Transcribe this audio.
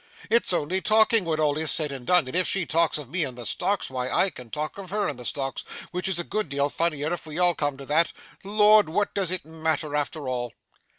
It's only talking, when all is said and done, and if she talks of me in the stocks, why I can talk of her in the stocks, which is a good deal funnier if we come to that. Lord, what does it matter, after all!